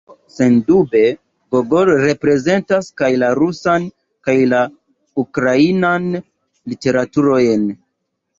Do, sendube, Gogol reprezentas kaj la rusan, kaj la ukrainan literaturojn.